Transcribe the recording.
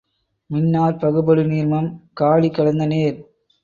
மின்னாற்பகுபடு நீர்மம் காடி கலந்த நீர்.